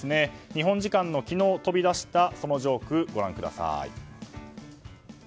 日本時間の昨日飛び出したそのジョークをご覧ください。